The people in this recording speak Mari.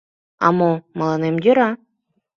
А мо... мыланем йӧра...